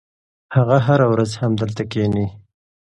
هغه هره ورځ همدلته کښېني.